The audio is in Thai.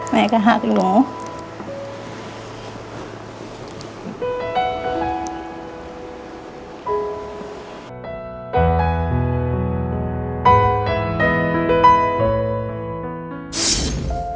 แม่ก็หักอยู่